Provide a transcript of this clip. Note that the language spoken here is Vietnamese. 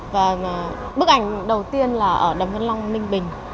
và bức ảnh đầu tiên là ở đầm vân long ninh bình